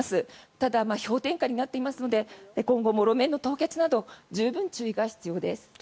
ただ、氷点下になっていますので今後も路面の凍結など十分注意が必要です。